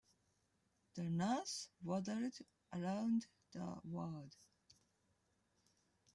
The nurse waddled around the ward.